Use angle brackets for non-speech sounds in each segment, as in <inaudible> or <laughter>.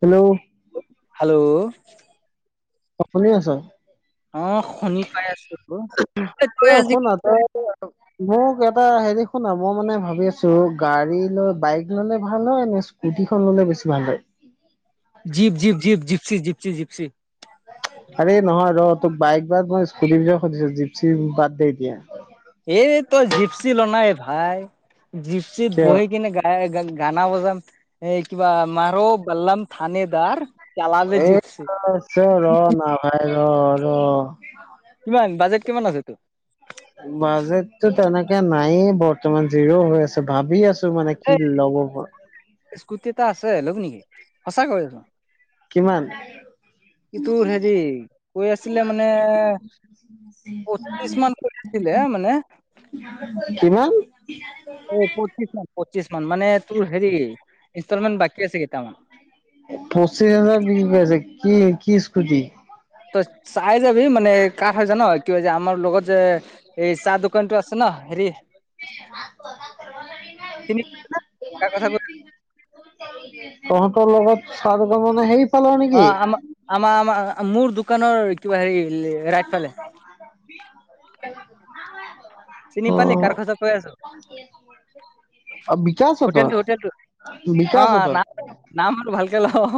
Hello hello অ শোনি আছ অ শুনি পাই আছো এ তই আজি এখন আথাৰ মোক এটা হেৰি শুনা মই মানে ভাবি আছো গাড়ী লৈ বাইক ললে ভাল হয় নে স্কুটি কিখন ললে বেছি ভাল হয়। জীপ জীপ জীপ জীপচি জীপসি আৰে নহয় ৰ তোক বাইক বাদ মই স্কুটিৰ বি সুধিছো জিপচি বাদ দে দিয়া এই তই জিপচি ল নাই ভাই জিপচি কিয় বহি কিনে গাই গানা বজাম এ কিবা মাৰো বাললাম থানেদ্বাৰ জালালে এই জিতছে অ ৰ কিমান বাজেট কিমান আছে তো য়া নায়ে বৰ্তমান জিৰো হৈ আছে ভাবি আছো মানে কি লব প স্কুতী এটা আছে লবি নিকি সঁচা কৈ কিমান? কি তোৰ হেৰি কি আছিলে মানে পঁচিশ মান কৈ আছিলে মানে কিমান? এই পঁচিশ মান পঁচিশ মান মানে তোৰ হেৰি ইনষ্টলমেণ্ট বাকী আছে কেইটামান পঁচিছ হাজাৰ বিক্ৰী পাইছে কি কি স্কুটি ত চাই যাবি মানে কাহ হয় জান কি যে আমাৰ লগত যে এই চাহ দোকান টো আছে ন হেৰি চিনি কাৰ কথা কৈ <unintelligible> তহঁতৰ লগত চাৰ গমনে সেইপ। অ আমা আমা আমা মোৰ দুগ। দোকানৰ কিবা হেৰি ৰাইতফালে। । চিনি পালি কাৰখচা কৈ আছ। অ বিকাছ হঁতৰ। অ নাম নাম ভালকে ল হহ।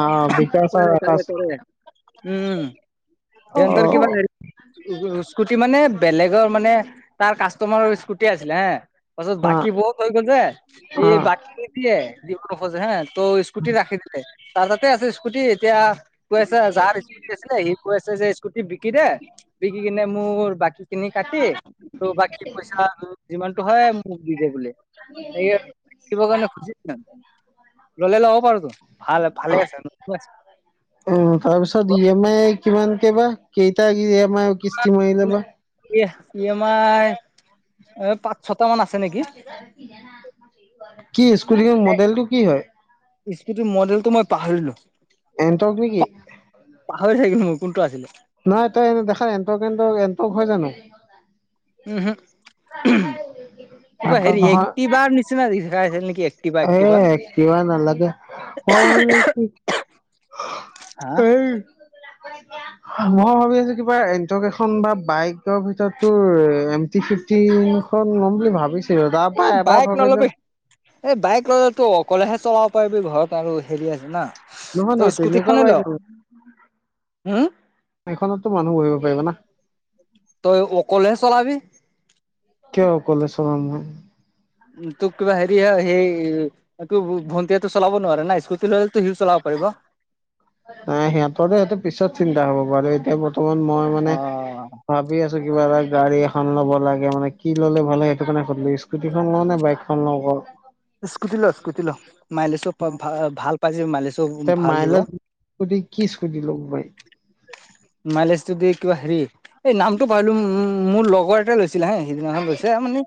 অ বিকাশ আৰু কৰে কৰে আকাশ কৰে উম উম। অ তেন্তৰ কিবা হ স্কুটি মানে বেলেগৰ মানে তাৰ কাষ্টমাৰৰ স্কুটি আছিলে হে পাছত হা বাকি বহুত হৈ গল যে। এই অ'। বাকী নিদিয়ে দিব নুখুজে হা টৌ স্কুটি ৰাখি দিলে। তাৰ তাতে আছে স্কুটি এতিয়া কৈ আছে যাৰ স্কুটি আছিলে সি কৈ আছে যে স্কুটি বিক বিকি দে বিকিকিনে মোৰ বাকি কিনি কাটি টৌ বাকি পইচা যিমান টো হয় মোক দি দে বুলি। এইয়ে বিকিব কাৰণে খুজিছিলে ললে লব পাৰতো। ভাল ভালে আছে নচুৱাইছে। অ তাৰ পিছত ই এম আই কিমান কেই বা কেইটা ই এপ কিস্তি মাইলেবাহ। ই এম আই এ পাপ কি স্কুটীং মডেলটো কি হয়? স্কুটি মডেলটো মই পাহৰিলো। এনটক নিকি। পাহৰি থাকিলো মই কোনটো আছিলে? নাই তই এ দেখাই এনটক এনটকএনটক হয় জানো। উমহো হম কিবা এণ্টৰ্ক হেৰি নহয়, একটি বাৰ নিচিনা ৰিহাইছিল নেকি। এক্টিভা এক্টিভা এ কিবা নালাগে কৰাটো। হা। ক। মই ভাবি আছো কিবা এনটক এখন বা বাইকৰ ভিতৰত তোৰ এম টি ফিফটিনখন ল'ম বুলি ভাবিছো। এ বাইক নলবি, এই বাইক ললে তো অকলেহে চলাব পাৰিবি ঘৰত আৰু হেৰি আছে না। নহয় নহয় তই স্কুটি তেনেকুৱা খনে বাইক ল নলওঁ, হোম। এখনততো মানুহ বহিব পাৰিব না। তইও অকলে চলাবি। কিয় অকলে চালাম মই। উ তোক কিবা হেৰিহে সেই তো ভণ্টিয়েটো চলাব নোৱাৰে নাই স্কুটি লৈ। অঁ সিহঁতৰ সেটো পিছত চিন্তা হব বাৰু এতিয়া বত অন মই অ মানে ভাবি আছো কিবা এটা গাড়ী এখন ল'ব লাগে মানে কি ল'লে ভাল হয় সেইটো কাৰণে সুধিলো স্কুটিখন লওঁ নে বাইকখন লওঁ ক। স্কুতি ল স্কুতি ল। মালিছো প ভা ভাল পাই যে মালিছো তে ভাল দিব। মাইলেজ স্কুটি কি স্কুটি ল'ব পাৰি মাইলেজটো দি কিবা হেৰি এই নামটো পাহৈলো মোৰ লগৰ এটা লৈছিল। ছিলায়ে সিদিনাখন লৈছেহে মানে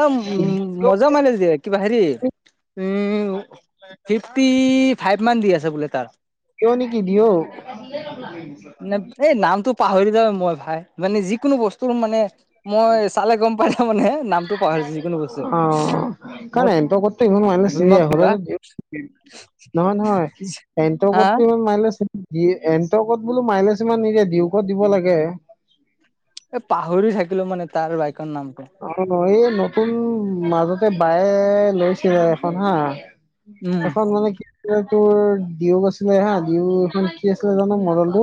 অ ম মজা মালিচ দিয়ে কিবা হেৰি। উ উ ফিফটি ফাইভ মান দি আছে বোলে তাৰ। কিয় নেকি দিও। নে সেই নামটো পাহৰি যাওঁ মই ভাই মানে যিকোনো বস্তুৰ মানে মই চালে গম পাই যাওঁ মানে নামটো পাহৰিছো যিকোনো বস্তুৰ অ কণ মোৰ এনটকটটো ইমান মাইলে অভিমক চিয়ে হ'লে দিবা নহয় নহয় হা এনটকটটো ইমান মাইলেচ এনটকত বোলো মাইলেজ ইমান নিদিয়ে ডিউকত দিব লাগে। এ পাহৰি থাকিলো মানে তাৰ বাইকৰ নামটো অ এই নতুন মাজতে বায়ে লৈছিলে এখন হা উম এখন মানে কি তোৰ দিউ আছিলে হা দিউ এইখন কি আছিলে জানো মডেলটো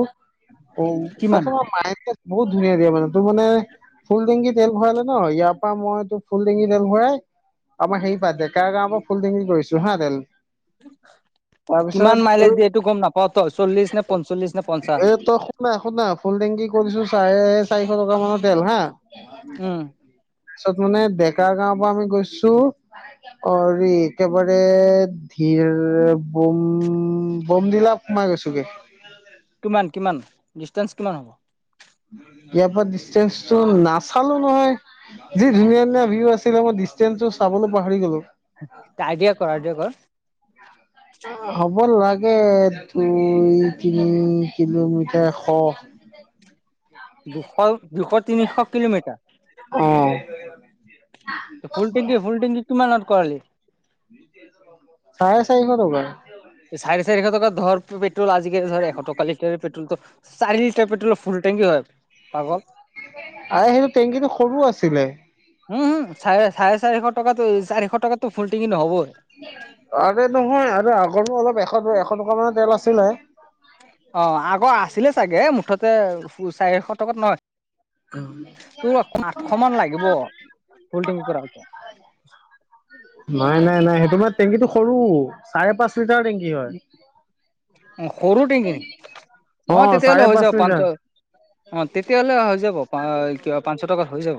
অ কিমান তাৰপিছত মাইলেচ বহুত ধুনীয়া দিয়ে মানে তোৰ মানে ফুল টৈংকী তেল ভৰালে ন ইয়াৰ পৰা মইটো ফুল টে়ংকী তেল ভৰাই আমাৰ হেৰি পা ডেকা গাওঁৰ পৰা ফুল টেংকী কৰিছো হা তেল কিমান মাইলেজ তাৰপিছত দিয়ে এইটো গম নাপাও তই চল্লিশ নে পঞ্চল্লিশ নে পঞ্চাশ এই তই শুনা শুনা ফোন টেংকী কৰিছো চাৰে চাৰিশ টকা মানৰ তেল হা উম তাৰপিছত মানে ডেকা গাঁওৰ পৰা আমি গৈছো অৰি একেবাৰে ধীৰ বম বম ডীলাপ সোমাই গৈছোগে কিমান কিমান ডিষ্টেঞ্চ কিমান হ'ব ইয়াৰ পৰা ডিচেঞ্চটো নাচালো নহয় যি ধুনীয়া ধুনীয়া ভিও আছিলে মই ডিষ্টেঞ্চটো চাবলৈ পাহৰি গলোঁ আইডিয়া কৰ আইডিয়া কৰ অ <inaudible> হ'ব লাগে দুই তিনি কিলোমিটাৰ শ অ <unintelligible> <inaudible> দুশ দুশ তিনিশ কিলোমিটাৰ <inaudible> ফুল টেংকি ফুলটেংকি কিমানত কৰালি চাৰে চাৰিশ টকা চাৰে চাৰিশ টকা ধৰ পেট্ৰল আজিকালি ধৰ এশ টকা লিটাৰ পেট্ৰল তো চাৰি লিটাৰ পেট্ৰলৰ ফুলটেংকি হয় পাগল আ সেইটো টেঙংকীটো সৰু আছিলে উম হম চাৰে চাৰে চাৰিশ টকাতো চাৰিশ টকাতটো ফুল টেংকি নহব আ নহয় আৰু আগৰো অলপ এশ এশ টকা মানৰ তেল আছিলে অ আগৰ আছিলে চাগে মুঠতে চাৰিশ টকাত নহয় তোৰ আঠশ মান লাগিব ফুল টেংকি কৰাওতে নাই নাই নাই সেইটো মই টেংকীটো সৰু চাৰে পাঁচ লিতাৰ টেংকি হয় অ সৰু টেংকি নিকি অ চাৰে তেতিয়াহলে হৈ পাঁচ যাব লিটাৰ পাঞ্চ অ তেতিয়াহলে হৈ যাব অ কিবা পাঁচশ টকাত হৈ যাব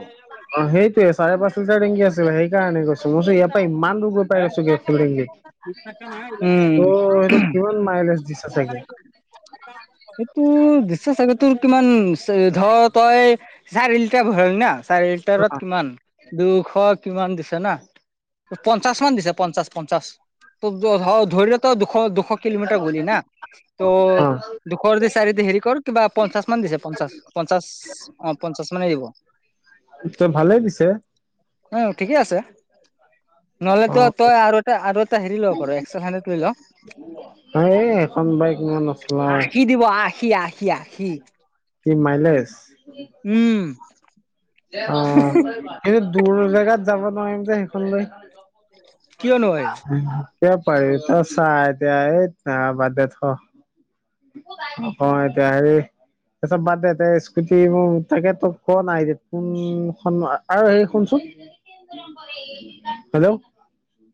অ সেইটোৱে চাৰে পাচ লিতাৰ টেংকি আছি সেই কাৰণে কৈছো মই ইয়াৰ পৰা ইমান দূৰ গৈ পাই গৈছো গে ফুল টেংকিত অ উম অ সেইটো কিমান মাইলেজ দিছে চাগে সেইটো দিছে চাগে তোৰ কিমান ধৰ তই চাৰি লিটাৰ ভৰালি না চাৰি লিটাৰত কিমান দুশ কিমান দিছে না পঞ্চাশ মান দিছে পঞ্চাশ পঞ্চাশ ত ধৰিল দুশ দুশ কিলোমিটাৰ গলি ন ত অ দুশৰ দি চাৰি দি হেৰি কৰ কিবা পঞ্চাশ মান দিছে পঞ্চাশ পঞ্চাশ অ পঞ্চাশ মানেই দিব ত ভালে দিছে উ ঠিকেই আছে নহ'লে অ তো তই আৰু এটা আৰু এটা হেৰি লব পাৰ একষ্কেল হাণ্ডেত লৈ ল এ সেইখন বাইক মই নচলাও আশী দিব আশী আশী আশী কি মাইলেশ উম অ কি দূৰ জেগাত যাব নোৱাৰিম যে সেইখন লৈ কিয় নোৱাৰি? এতিয়া পাৰি ত চাহ এতিয়া এই ন বাদদে থ অ এতিয়া সেৰি। এচব বাদদে তে স্কুটিবো তাকে ত ক না। উম আৰু হে শুনচোন হেল্ল'।